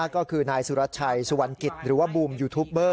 ก็คือนายสุรชัยสุวรรณกิจหรือว่าบูมยูทูปเบอร์